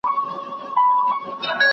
شخصي ملکیت د انسان کار ته هڅوي.